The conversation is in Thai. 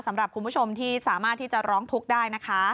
สำหรับคุณผู้ชมที่สามารถที่จะร้องทุกข์ได้นะคะ